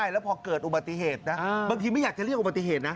แล้วพอเกิดอุบัติเหตุนะบางทีไม่อยากจะเรียกอุบัติเหตุนะ